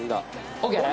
ＯＫ？